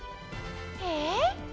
えっ？